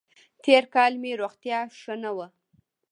تېر کال مې روغتیا ښه نه وه